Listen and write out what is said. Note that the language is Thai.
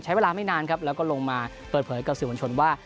ใช้เวลาไม่นานครับแล้วก็ลงมาเปิดเผยกับสื่อมวลชนว่า